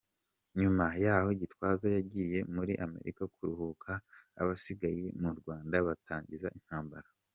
Nyuma yaho Gitwaza yagiye muri Amerika kuruhuka, abasigaye mu Rwanda batangiza intambara.